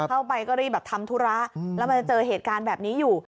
คือบางคนอาจจะปวดมาก